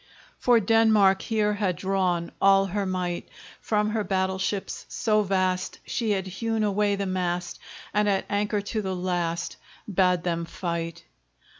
For Denmark here had drawn All her might! From her battle ships so vast She had hewn away the mast, And at anchor to the last Bade them fight!